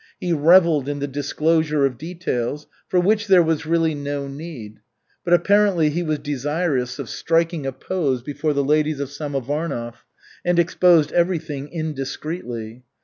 He revelled in the disclosure of details, for which there was really no need, but apparently he was desirous of striking a pose before the ladies of Samovarnov and exposed everything indiscreetly.